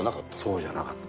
そうじゃなかった。